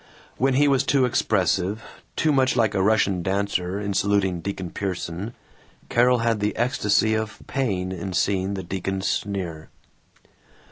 When he was too expressive, too much like a Russian dancer, in saluting Deacon Pierson, Carol had the ecstasy of pain in seeing the deacon's sneer.